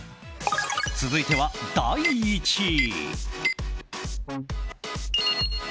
続いては第１位。